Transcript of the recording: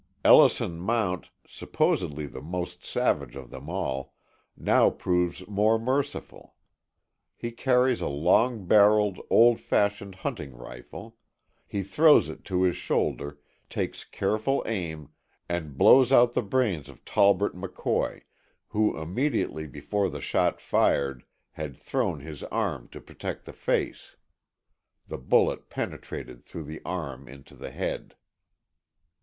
Ellison Mount, supposedly the most savage of them all, now proves more merciful. He carries a long barreled, old fashioned hunting rifle; he throws it to his shoulder, takes careful aim, and blows out the brains of Tolbert McCoy who, immediately before the shot fired, had thrown his arm to protect the face. The bullet penetrated through the arm into the head.